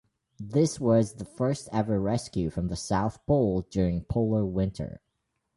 This was the first ever rescue from the South Pole during polar winter.